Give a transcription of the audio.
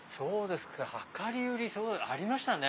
量り売りありましたね